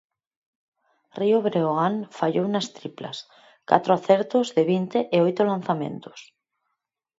Río Breogán fallou nas triplas, catro acertos de vinte e oito lanzamentos.